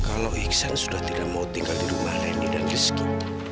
kalau iksan sudah tidak mau tinggal di rumah leni dan rizky